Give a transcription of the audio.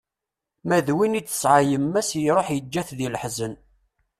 Ma d win i d-tesεa yemma-s, iruḥ yeǧǧa-t di leḥzen.